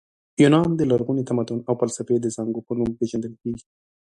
یونان د لرغوني تمدن او فلسفې د زانګو په نوم پېژندل کیږي.